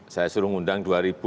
saya suruh undang dua ribu